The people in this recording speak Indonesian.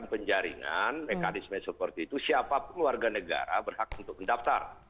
penjaringan mekanisme seperti itu siapapun warga negara berhak untuk mendaftar